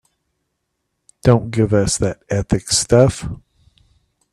Don't give us that ethics stuff.